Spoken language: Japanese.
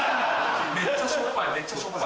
めっちゃしょっぱいめっちゃしょっぱい。